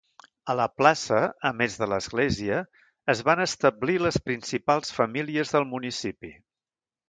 A la plaça, a més de l'Església, es van establir les principals famílies del municipi.